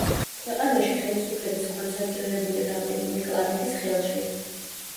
ქვეყანაში ხელისუფლების კონცენტრირებული რამდენიმე კლანების ხელში.